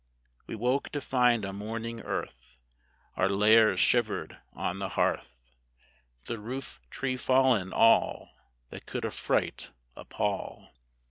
We woke to find a mourning earth, Our Lares shivered on the hearth, The roof tree fallen, all That could affright, appall!